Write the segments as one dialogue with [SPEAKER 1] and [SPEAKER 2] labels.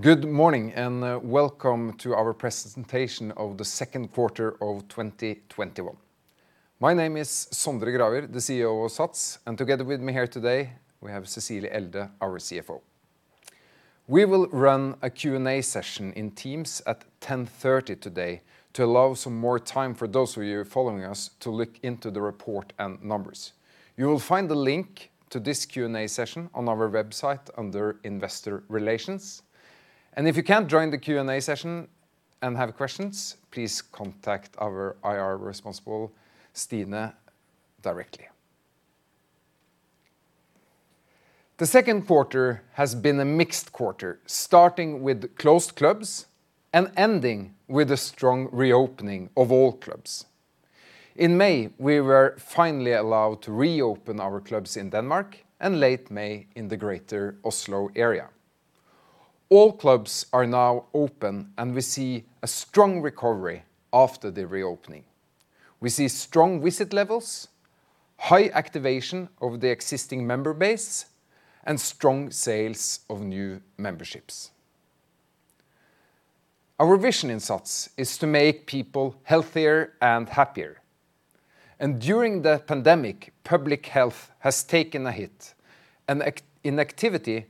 [SPEAKER 1] Good morning, and welcome to our presentation of the Q2 of 2021. My name is Sondre Gravir, the CEO of SATS, and together with me here today, we have Cecilie Elde, our CFO. We will run a Q&A session in Teams at 10:13 A.M. today to allow some more time for those of you following us to look into the report and numbers. You will find the link to this Q&A session on our website under Investor Relations. If you can't join the Q&A session and have questions, please contact our IR responsible, Stine, directly. The Q2 has been a mixed quarter, starting with closed clubs and ending with a strong reopening of all clubs. In May, we were finally allowed to reopen our clubs in Denmark, and late May in the greater Oslo area. All clubs are now open. We see a strong recovery after the reopening. We see strong visit levels, high activation of the existing member base, and strong sales of new memberships. Our vision in SATS is to make people healthier and happier. During the pandemic, public health has taken a hit, and inactivity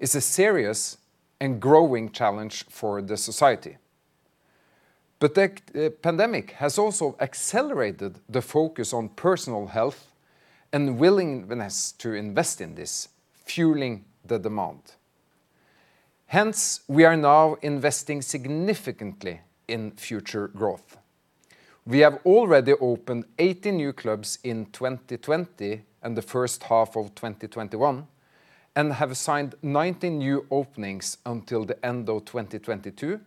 [SPEAKER 1] is a serious and growing challenge for the society. The pandemic has also accelerated the focus on personal health and willingness to invest in this, fueling the demand. Hence, we are now investing significantly in future growth. We have already opened 18 new clubs in 2020 and the H1 of 2021, and have signed 19 new openings until the end of 2022,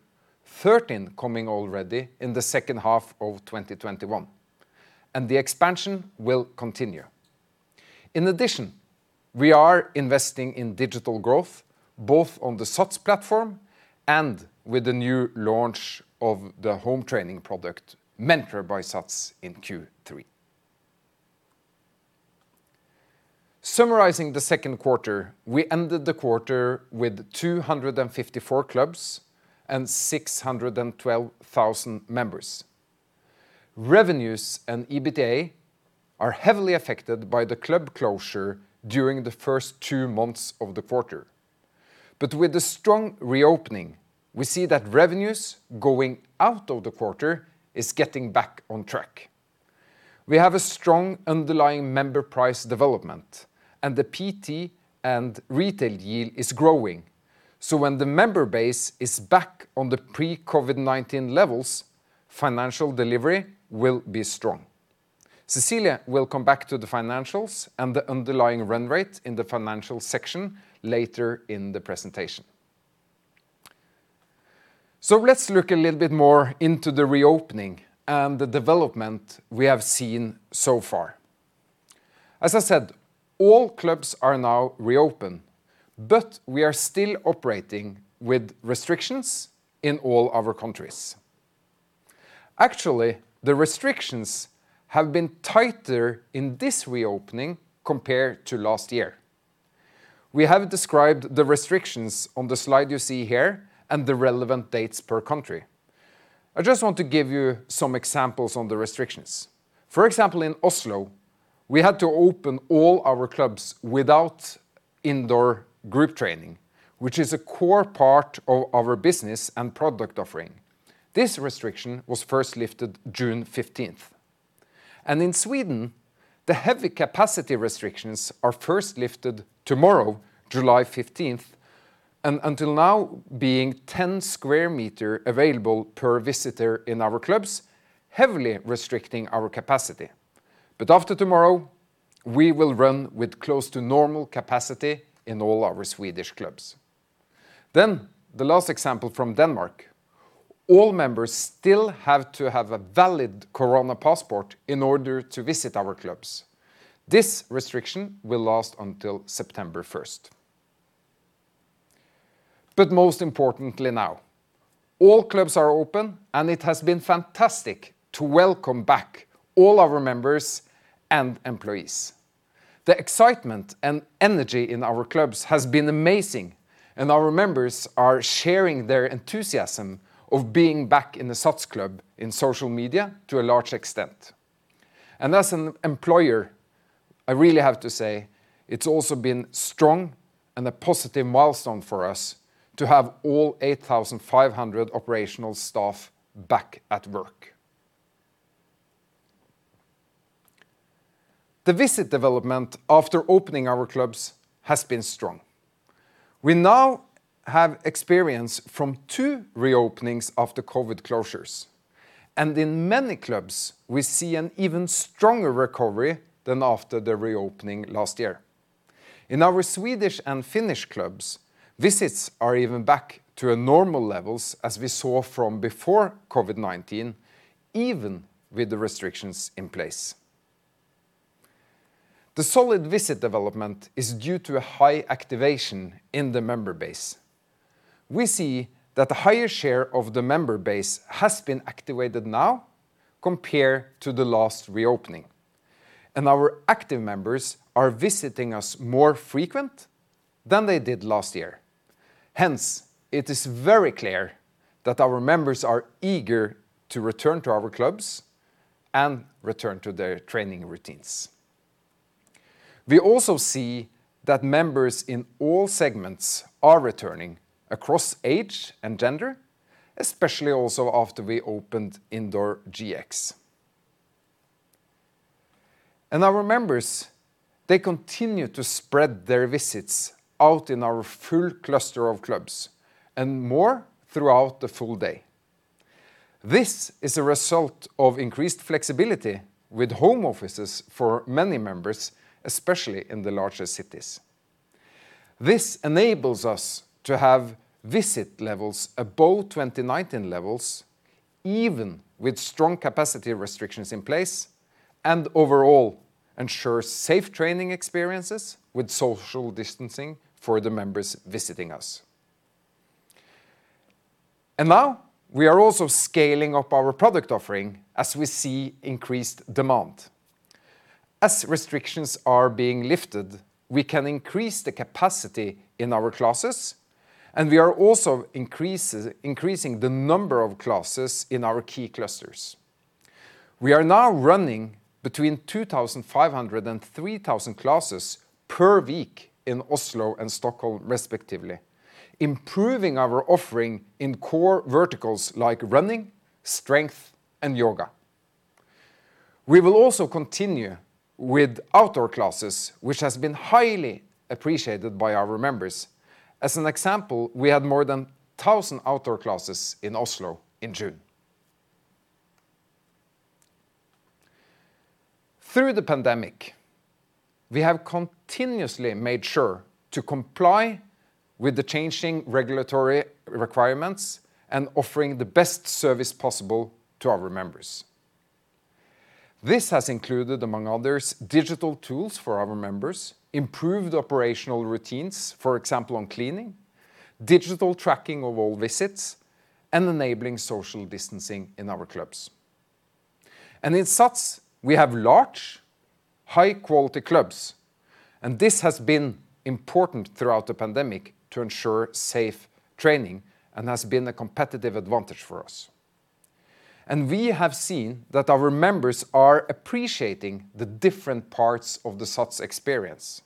[SPEAKER 1] 13 coming already in the H2 of 2021. The expansion will continue. In addition, we are investing in digital growth, both on the SATS platform and with the new launch of the home training product, Mentra by SATS, in Q3. Summarizing the Q2, we ended the quarter with 254 clubs and 612,000 members. Revenues and EBITDA are heavily affected by the club closure during the first two months of the quarter. With the strong reopening, we see that revenues going out of the quarter is getting back on track. We have a strong underlying member price development, and the PT and retail yield is growing. When the member base is back on the pre-COVID-19 levels, financial delivery will be strong. Cecilie will come back to the financials and the underlying run rate in the financial section later in the presentation. Let's look a little bit more into the reopening and the development we have seen so far. As I said, all clubs are now reopened. We are still operating with restrictions in all our countries. Actually, the restrictions have been tighter in this reopening compared to last year. We have described the restrictions on the slide you see here and the relevant dates per country. I just want to give you some examples on the restrictions. For example, in Oslo, we had to open all our clubs without indoor group training, which is a core part of our business and product offering. This restriction was first lifted June 15th. In Sweden, the heavy capacity restrictions are first lifted tomorrow, July 15th, and until now being 10 sq m available per visitor in our clubs, heavily restricting our capacity. After tomorrow, we will run with close to normal capacity in all our Swedish clubs. The last example from Denmark, all members still have to have a valid corona passport in order to visit our clubs. This restriction will last until September 1st. Most importantly now, all clubs are open, and it has been fantastic to welcome back all our members and employees. The excitement and energy in our clubs has been amazing, and our members are sharing their enthusiasm of being back in the SATS club in social media to a large extent. As an employer, I really have to say it's also been strong and a positive milestone for us to have all 8,500 operational staff back at work. The visit development after opening our clubs has been strong. We now have experience from two reopenings after COVID closures, and in many clubs, we see an even stronger recovery than after the reopening last year. In our Swedish and Finnish clubs, visits are even back to normal levels as we saw from before COVID-19, even with the restrictions in place. The solid visit development is due to a high activation in the member base. We see that the highest share of the member base has been activated now compared to the last reopening, and our active members are visiting us more frequent than they did last year. Hence, it is very clear that our members are eager to return to our clubs and return to their training routines. We also see that members in all segments are returning across age and gender, especially also after we opened indoor GX. Our members, they continue to spread their visits out in our full cluster of clubs and more throughout the full day. This is a result of increased flexibility with home offices for many members, especially in the larger cities. This enables us to have visit levels above 2019 levels, even with strong capacity restrictions in place and overall ensures safe training experiences with social distancing for the members visiting us. Now we are also scaling up our product offering as we see increased demand. As restrictions are being lifted, we can increase the capacity in our classes, and we are also increasing the number of classes in our key clusters. We are now running between 2,500 and 3,000 classes per week in Oslo and Stockholm respectively, improving our offering in core verticals like running, strength, and yoga. We will also continue with outdoor classes, which has been highly appreciated by our members. As an example, we had more than 1,000 outdoor classes in Oslo in June. Through the pandemic, we have continuously made sure to comply with the changing regulatory requirements and offering the best service possible to our members. This has included, among others, digital tools for our members, improved operational routines, for example, on cleaning, digital tracking of all visits, and enabling social distancing in our clubs. In SATS, we have large, high-quality clubs, and this has been important throughout the pandemic to ensure safe training and has been a competitive advantage for us. We have seen that our members are appreciating the different parts of the SATS experience.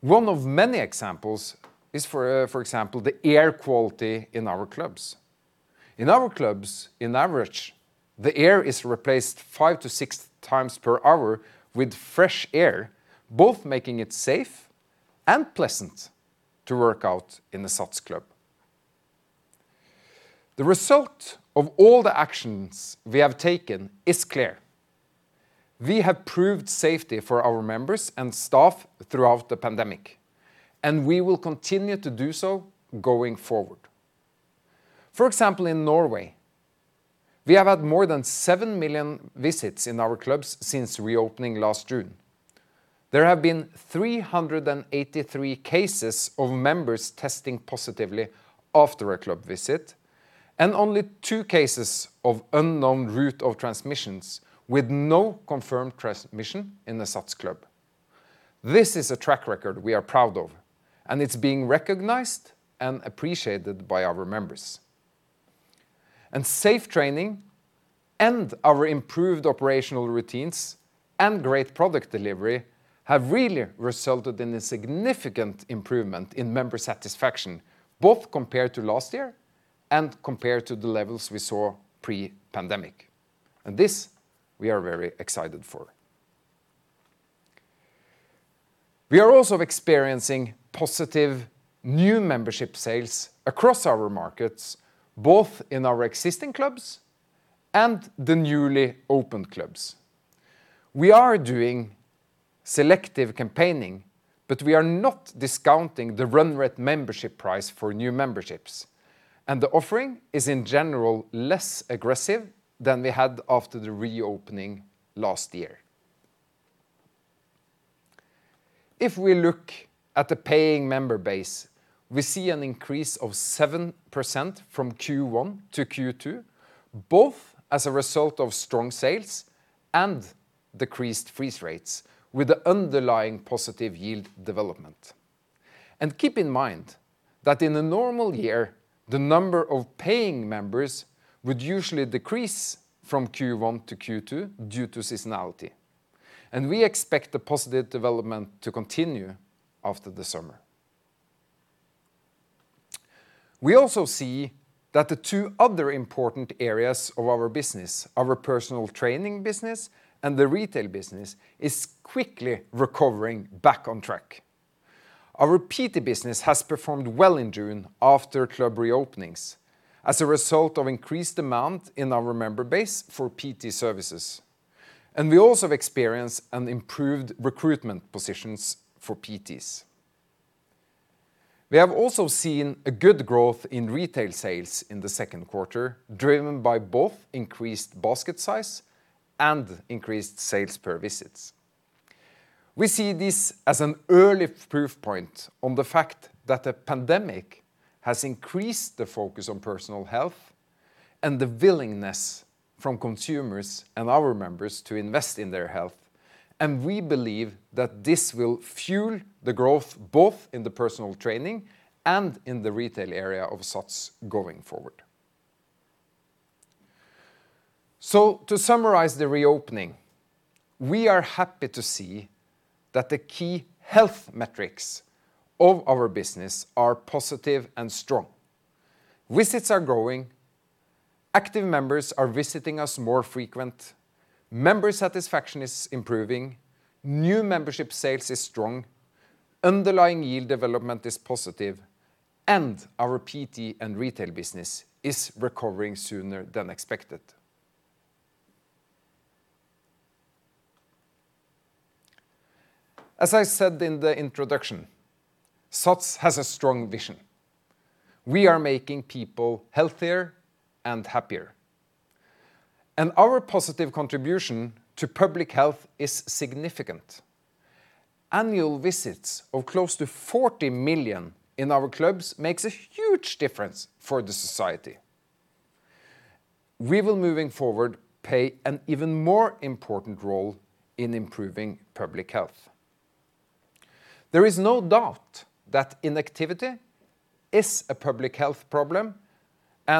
[SPEAKER 1] One of many examples is, for example, the air quality in our clubs. In our clubs, on average, the air is replaced 5x-6x per hour with fresh air, both making it safe and pleasant to work out in a SATS club. The result of all the actions we have taken is clear. We have proved safety for our members and staff throughout the pandemic, and we will continue to do so going forward. For example, in Norway, we have had more than 7 million visits in our clubs since reopening last June. There have been 383 cases of members testing positively after a club visit and only two cases of unknown route of transmissions, with no confirmed transmission in a SATS club. This is a track record we are proud of, it's being recognized and appreciated by our members. Safe training and our improved operational routines and great product delivery have really resulted in a significant improvement in member satisfaction, both compared to last year and compared to the levels we saw pre-pandemic. This we are very excited for. We are also experiencing positive new membership sales across our markets, both in our existing clubs and the newly opened clubs. We are doing selective campaigning, but we are not discounting the run rate membership price for new memberships, and the offering is in general less aggressive than we had after the reopening last year. If we look at the paying member base, we see an increase of 7% from Q1-Q2, both as a result of strong sales and decreased freeze rates with the underlying positive yield development. Keep in mind that in a normal year, the number of paying members would usually decrease from Q1-Q2 due to seasonality, and we expect the positive development to continue after the summer. We also see that the two other important areas of our business, our personal training business and the retail business, is quickly recovering back on track. Our PT business has performed well in June after club reopenings as a result of increased demand in our member base for PT services, and we also have experienced an improved recruitment positions for PTs. We have also seen a good growth in retail sales in the Q2, driven by both increased basket size and increased sales per visit. We see this as an early proof point on the fact that the pandemic has increased the focus on personal health and the willingness from consumers and our members to invest in their health. We believe that this will fuel the growth both in the personal training and in the retail area of SATS going forward. To summarize the reopening, we are happy to see that the key health metrics of our business are positive and strong. Visits are growing, active members are visiting us more frequent, member satisfaction is improving, new membership sales is strong, underlying yield development is positive, and our PT and retail business is recovering sooner than expected. As I said in the introduction, SATS has a strong vision. We are making people healthier and happier. Our positive contribution to public health is significant. Annual visits of close to 40 million in our clubs makes a huge difference for the society. We will, moving forward, play an even more important role in improving public health. There is no doubt that inactivity is a public health problem,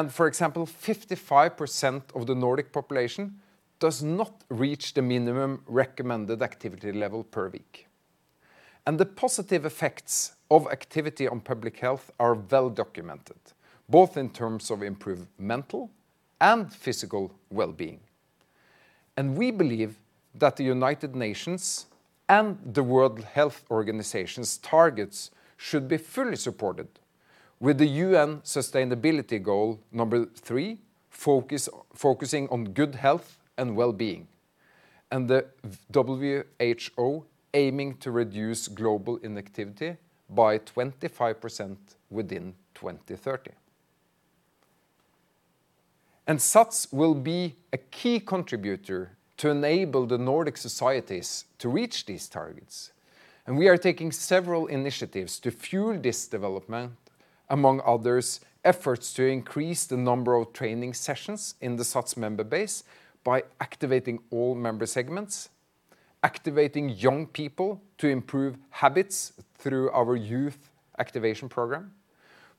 [SPEAKER 1] for example, 55% of the Nordic population does not reach the minimum recommended activity level per week. The positive effects of activity on public health are well documented, both in terms of improved mental and physical wellbeing. We believe that the United Nations and the World Health Organization's targets should be fully supported with the UN sustainability goal number three focusing on good health and wellbeing, and the WHO aiming to reduce global inactivity by 25% within 2030. SATS will be a key contributor to enable the Nordic societies to reach these targets, and we are taking several initiatives to fuel this development, among others, efforts to increase the number of training sessions in the SATS member base by activating all member segments, activating young people to improve habits through our youth activation program.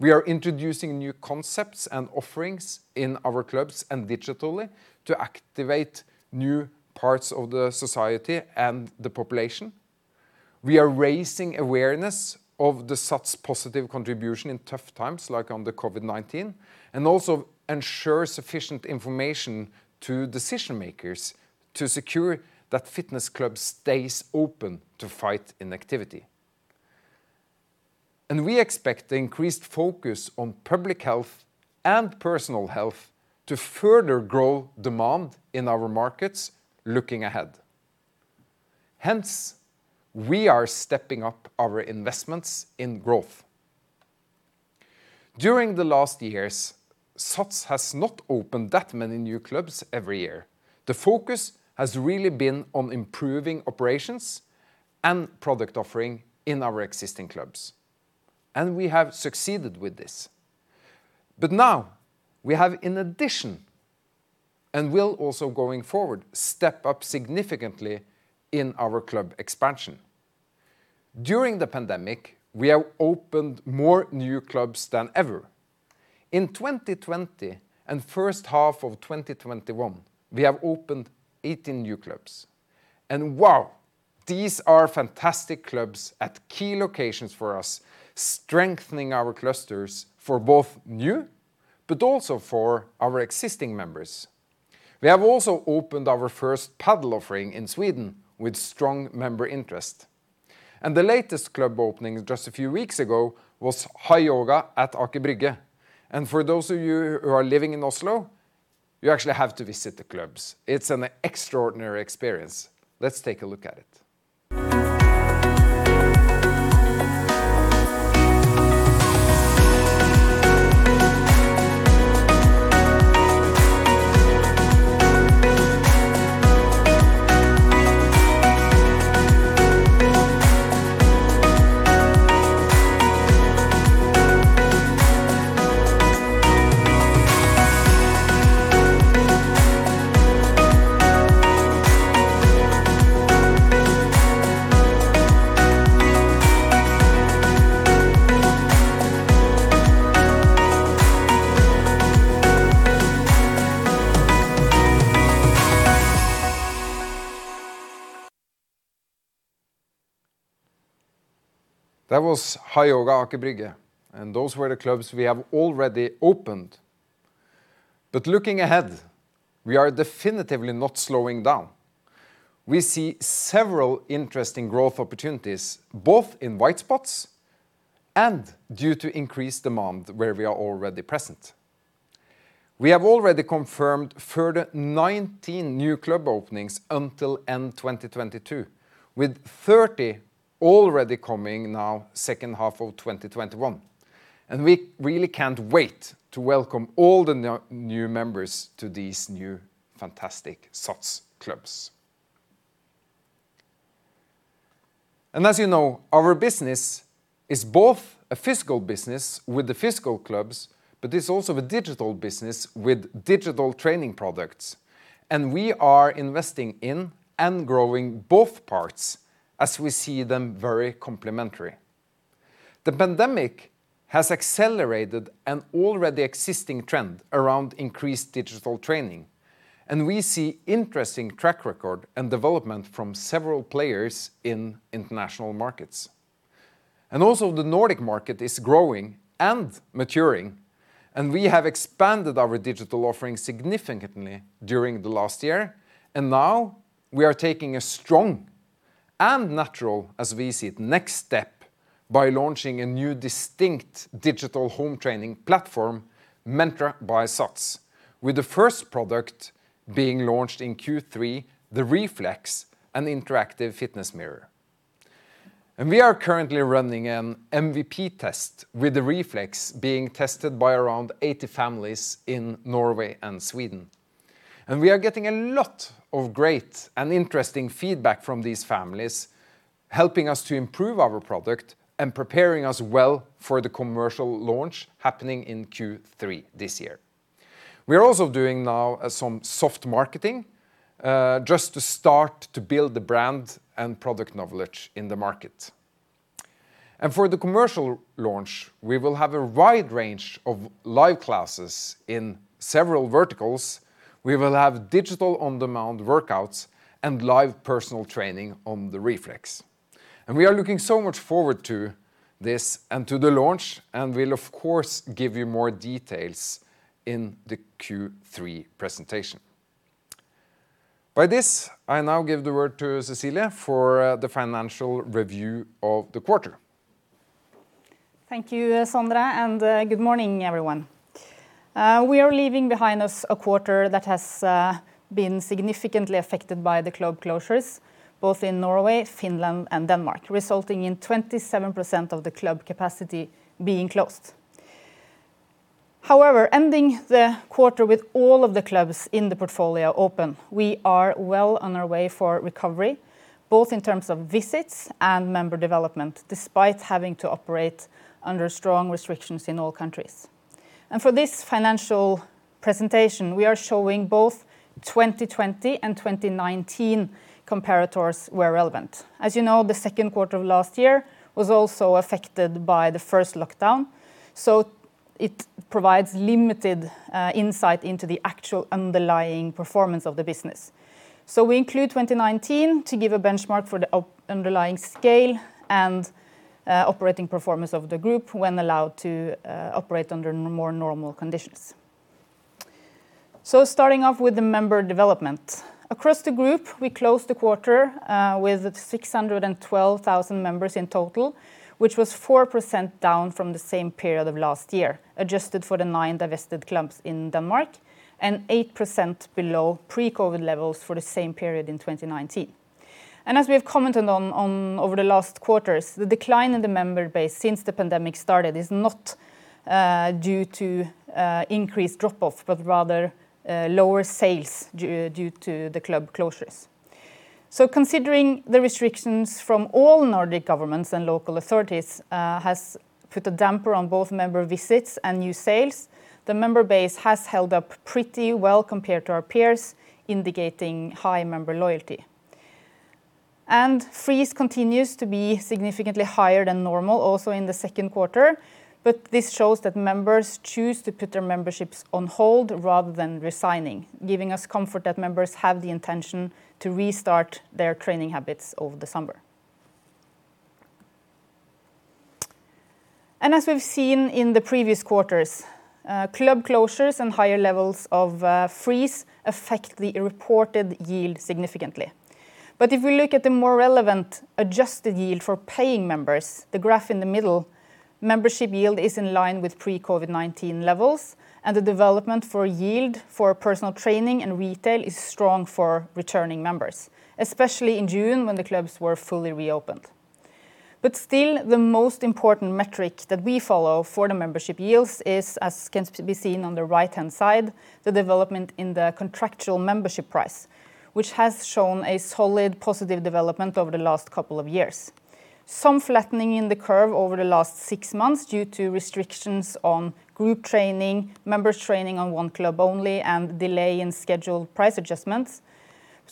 [SPEAKER 1] We are introducing new concepts and offerings in our clubs and digitally to activate new parts of the society and the population. We are raising awareness of the SATS positive contribution in tough times, like under COVID-19, and also ensure sufficient information to decision makers to secure that fitness club stays open to fight inactivity. We expect increased focus on public health and personal health to further grow demand in our markets looking ahead. Hence, we are stepping up our investments in growth. During the last years, SATS has not opened that many new clubs every year. The focus has really been on improving operations and product offering in our existing clubs, and we have succeeded with this. Now, we have in addition, and will also going forward, step up significantly in our club expansion. During the pandemic, we have opened more new clubs than ever. In 2020 and H1 of 2021, we have opened 18 new clubs. Wow, these are fantastic clubs at key locations for us, strengthening our clusters for both new, but also for our existing members. We have also opened our first Padel offering in Sweden with strong member interest. The latest club opening just a few weeks ago was HiYoga at Aker Brygge. For those of you who are living in Oslo, you actually have to visit the clubs. It's an extraordinary experience. Let's take a look at it. That was HiYoga Aker Brygge, and those were the clubs we have already opened. Looking ahead, we are definitively not slowing down. We see several interesting growth opportunities both in white spots and due to increased demand where we are already present. We have already confirmed further 19 new club openings until end 2022, with 30 already coming now H2 of 2021. We really can't wait to welcome all the new members to these new fantastic SATS clubs. As you know, our business is both a physical business with the physical clubs, but it's also a digital business with digital training products, and we are investing in and growing both parts as we see them very complementary. The pandemic has accelerated an already existing trend around increased digital training, and we see interesting track record and development from several players in international markets. Also the Nordic market is growing and maturing, and we have expanded our digital offering significantly during the last year. Now we are taking a strong and natural, as we see it, next step by launching a new distinct digital home training platform, Mentra by SATS, with the first product being launched in Q3, the Rflex, an interactive fitness mirror. We are currently running an MVP test with the Rflex being tested by around 80 families in Norway and Sweden. We are getting a lot of great and interesting feedback from these families, helping us to improve our product and preparing us well for the commercial launch happening in Q3 this year. We are also doing now some soft marketing, just to start to build the brand and product knowledge in the market. For the commercial launch, we will have a wide range of live classes in several verticals. We will have digital on-demand workouts and live personal training on the Rflex. We are looking so much forward to this and to the launch, and we'll of course give you more details in the Q3 presentation. By this, I now give the word to Cecilie for the financial review of the quarter.
[SPEAKER 2] Thank you, Sondre, and good morning, everyone. We are leaving behind us a quarter that has been significantly affected by the club closures, both in Norway, Finland, and Denmark, resulting in 27% of the club capacity being closed. However, ending the quarter with all of the clubs in the portfolio open, we are well on our way for recovery, both in terms of visits and member development, despite having to operate under strong restrictions in all countries. For this financial presentation, we are showing both 2020 and 2019 comparators where relevant. As you know, the Q2 of last year was also affected by the first lockdown, it provides limited insight into the actual underlying performance of the business. We include 2019 to give a benchmark for the underlying scale and operating performance of the group when allowed to operate under more normal conditions. Starting off with the member development. Across the group, we closed the quarter with 612,000 members in total, which was 4% down from the same period of last year, adjusted for the nine divested clubs in Denmark and 8% below pre-COVID levels for the same period in 2019. As we've commented on over the last quarters, the decline in the member base since the pandemic started is not due to increased drop-off, but rather lower sales due to the club closures. Considering the restrictions from all Nordic governments and local authorities has put a damper on both member visits and new sales, the member base has held up pretty well compared to our peers, indicating high member loyalty. Freeze continues to be significantly higher than normal, also in the Q2, but this shows that members choose to put their memberships on hold rather than resigning, giving us comfort that members have the intention to restart their training habits over the summer. As we've seen in the previous quarters, club closures and higher levels of freeze affect the reported yield significantly. If we look at the more relevant adjusted yield for paying members, the graph in the middle, membership yield is in line with pre-COVID-19 levels, and the development for yield for personal training and retail is strong for returning members, especially in June when the clubs were fully reopened. Still, the most important metric that we follow for the membership yields is, as can be seen on the right-hand side, the development in the contractual membership price, which has shown a solid positive development over the last couple of years. Some flattening in the curve over the last six months due to restrictions on group training, members training on one club only, and delay in scheduled price adjustments.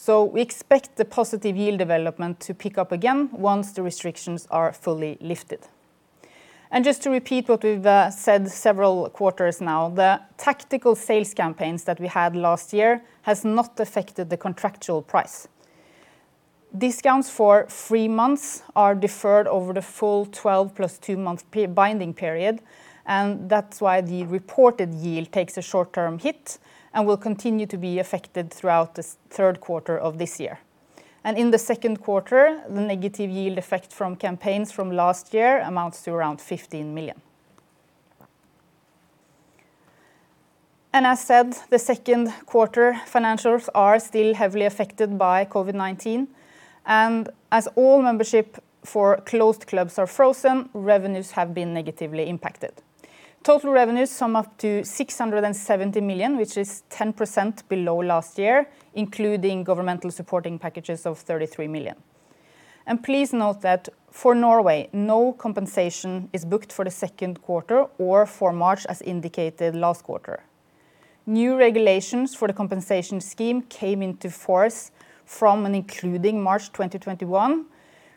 [SPEAKER 2] We expect the positive yield development to pick up again once the restrictions are fully lifted. Just to repeat what we've said several quarters now, the tactical sales campaigns that we had last year has not affected the contractual price. Discounts for three months are deferred over the full 12+ two-month binding period, that's why the reported yield takes a short-term hit and will continue to be affected throughout the Q3 of this year. In the Q2, the negative yield effect from campaigns from last year amounts to around 15 million. As said, the Q2 financials are still heavily affected by COVID-19, and as all membership for closed clubs are frozen, revenues have been negatively impacted. Total revenues sum up to 670 million, which is 10% below last year, including governmental supporting packages of 33 million. Please note that for Norway, no compensation is booked for the Q2 or for March, as indicated last quarter. New regulations for the compensation scheme came into force from and including March 2021,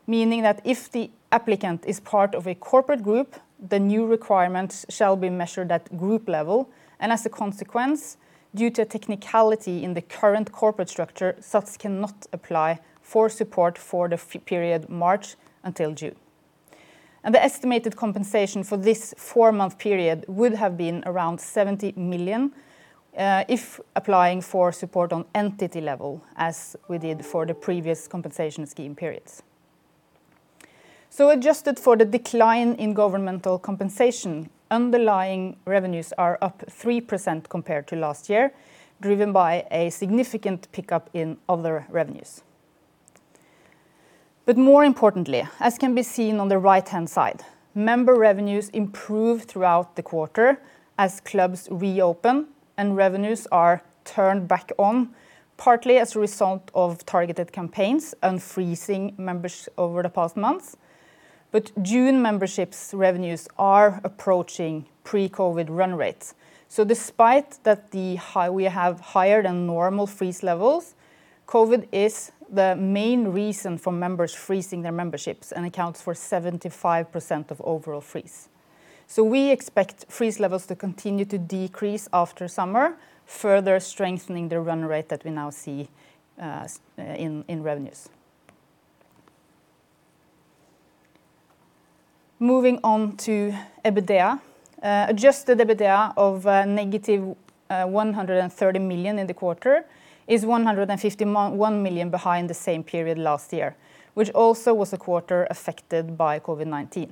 [SPEAKER 2] meaning that if the applicant is part of a corporate group, the new requirements shall be measured at group level, and as a consequence, due to a technicality in the current corporate structure, SATS cannot apply for support for the period March until June. The estimated compensation for this four-month period would have been around 70 million, if applying for support on entity level, as we did for the previous compensation scheme periods. Adjusted for the decline in governmental compensation, underlying revenues are up 3% compared to last year, driven by a significant pickup in other revenues. More importantly, as can be seen on the right-hand side, member revenues improved throughout the quarter as clubs reopen and revenues are turned back on, partly as a result of targeted campaigns unfreezing members over the past months. June memberships revenues are approaching pre-COVID-19 run rates. Despite that we have higher than normal freeze levels, COVID-19 is the main reason for members freezing their memberships and accounts for 75% of overall freeze. We expect freeze levels to continue to decrease after summer, further strengthening the run rate that we now see in revenues. Moving on to EBITDA. Adjusted EBITDA of negative 130 million in the quarter is 151 million behind the same period last year, which also was a quarter affected by COVID-19.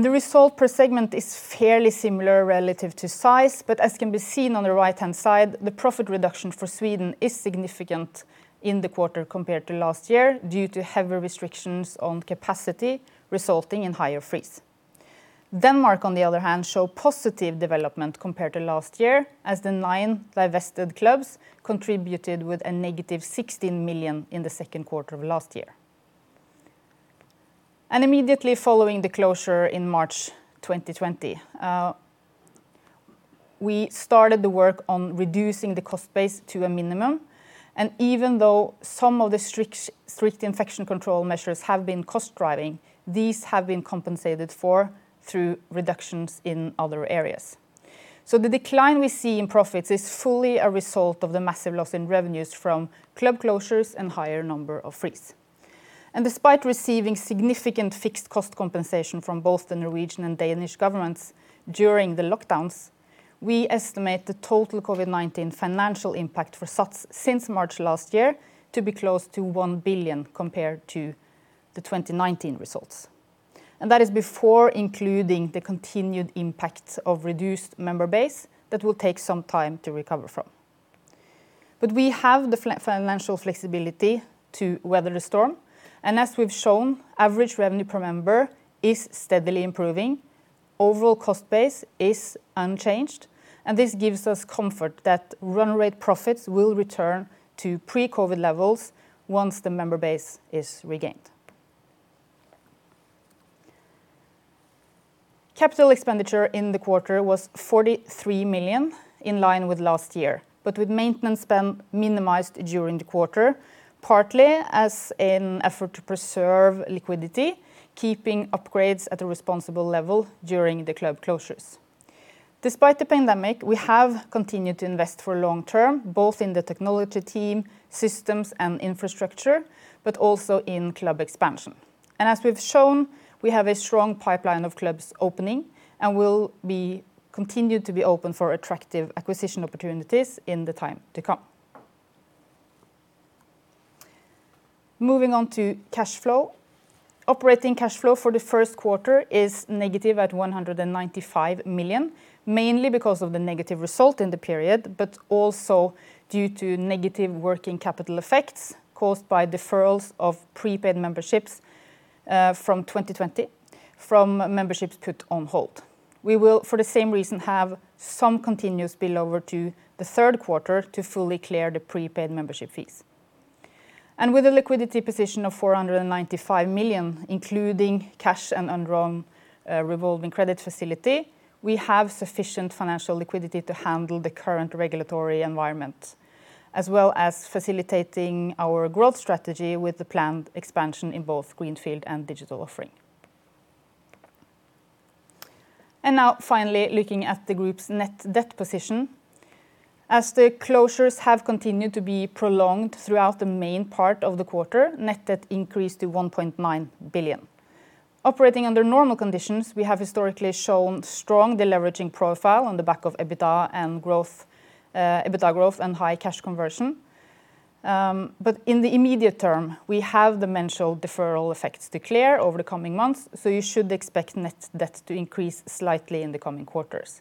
[SPEAKER 2] The result per segment is fairly similar relative to size, as can be seen on the right-hand side, the profit reduction for Sweden is significant in the quarter compared to last year due to heavy restrictions on capacity, resulting in higher freeze. Denmark, on the other hand, show positive development compared to last year as the nine divested clubs contributed with a negative 16 million in the Q2 of last year. Immediately following the closure in March 2020, we started the work on reducing the cost base to a minimum, even though some of the strict infection control measures have been cost-driving, these have been compensated for through reductions in other areas. The decline we see in profits is fully a result of the massive loss in revenues from club closures and higher number of freezes. Despite receiving significant fixed cost compensation from both the Norwegian and Danish governments during the lockdowns, we estimate the total COVID-19 financial impact for SATS since March last year to be close to 1 billion compared to the 2019 results. That is before including the continued impact of reduced member base that will take some time to recover from. We have the financial flexibility to weather the storm. As we've shown, average revenue per member is steadily improving. Overall cost base is unchanged, and this gives us comfort that run rate profits will return to pre-COVID levels once the member base is regained. Capital expenditure in the quarter was 43 million, in line with last year, but with maintenance spend minimized during the quarter, partly as an effort to preserve liquidity, keeping upgrades at a responsible level during the club closures. Despite the pandemic, we have continued to invest for long-term, both in the technology team, systems, and infrastructure, but also in club expansion. As we've shown, we have a strong pipeline of clubs opening and will be continued to be open for attractive acquisition opportunities in the time to come. Moving on to cash flow. Operating cash flow for the Q1 is negative at 195 million, mainly because of the negative result in the period, but also due to negative working capital effects caused by deferrals of prepaid memberships from 2020 from memberships put on hold. We will, for the same reason, have some continuous spillover to the Q3 to fully clear the prepaid membership fees. With a liquidity position of 495 million, including cash and undrawn revolving credit facility, we have sufficient financial liquidity to handle the current regulatory environment, as well as facilitating our growth strategy with the planned expansion in both greenfield and digital offering. Now finally, looking at the group's net debt position. As the closures have continued to be prolonged throughout the main part of the quarter, net debt increased to 1.9 billion. Operating under normal conditions, we have historically shown strong deleveraging profile on the back of EBITDA growth and high cash conversion. In the immediate term, we have the mentioned deferral effects to clear over the coming months, you should expect net debt to increase slightly in the coming quarters.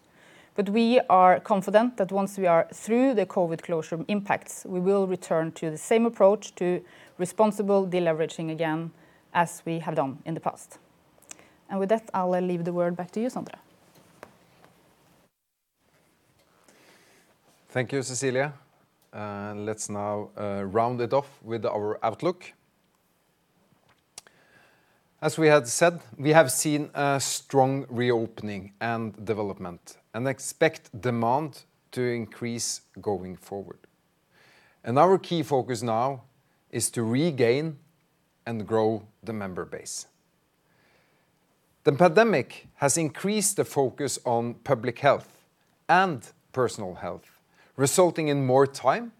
[SPEAKER 2] We are confident that once we are through the COVID closure impacts, we will return to the same approach to responsible deleveraging again as we have done in the past. With that, I will leave the word back to you, Sondre.
[SPEAKER 1] Thank you, Cecilie. Let's now round it off with our outlook. As we had said, we have seen a strong reopening and development and expect demand to increase going forward. Our key focus now is to regain and grow the member base. The pandemic has increased the focus on public health and personal health, resulting in more time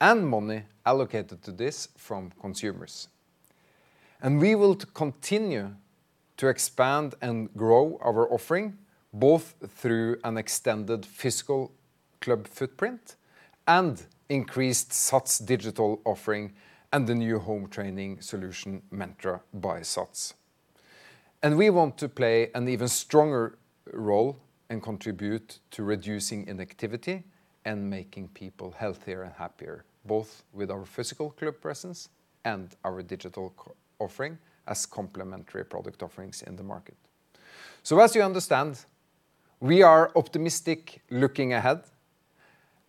[SPEAKER 1] and money allocated to this from consumers. We will continue to expand and grow our offering, both through an extended physical club footprint and increased SATS digital offering and the new home training solution, Mentra by SATS. We want to play an even stronger role and contribute to reducing inactivity and making people healthier and happier, both with our physical club presence and our digital offering as complementary product offerings in the market. As you understand, we are optimistic looking ahead,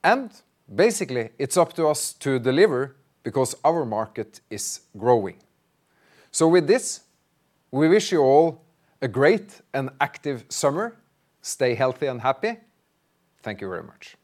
[SPEAKER 1] and basically, it's up to us to deliver because our market is growing. With this, we wish you all a great and active summer. Stay healthy and happy. Thank you very much.